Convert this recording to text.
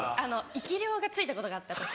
生き霊がついたことがあって私。